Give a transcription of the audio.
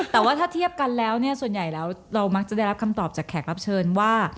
แต่ว่าถ้าเทียบกันแล้วเนี่ยส่วนใหญ่แล้วเรามักจะได้รับคำตอบจากแขกรับเชิญว่า